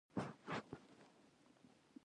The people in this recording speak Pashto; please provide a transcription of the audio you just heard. زما لور قابله ده.